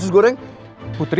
sus goreng putri